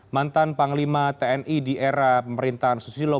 mantan panglima tni di era pemerintahan susilo